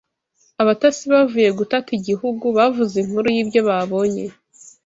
abatasi bavuye gutata igihugu bavuze inkuru y’ibyo babonye